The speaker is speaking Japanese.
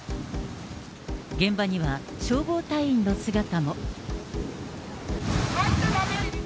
現場には消防隊員の姿も。